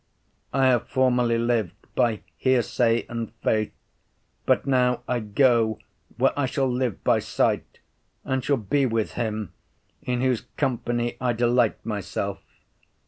I have formerly lived by hearsay and faith, but now I go where I shall live by sight, and shall be with him in whose company I delight myself.